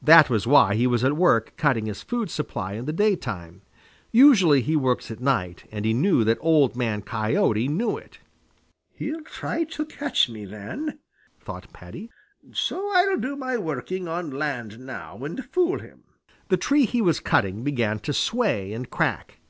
That was why he was at work cutting his food supply in the daytime. Usually he works at night, and he knew that Old Man Coyote knew it. "He'll try to catch me then," thought Paddy, "so I'll do my working on land now and fool him." The tree he was cutting began to sway and crack.